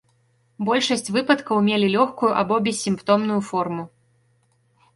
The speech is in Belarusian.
Большасць выпадкаў мелі лёгкую або бессімптомную форму.